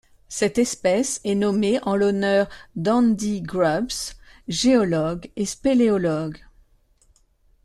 Cette espèce est nommée en l'honneur d'Andy Grubbs géologue et spéléologue.